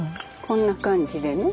こんな感じでね。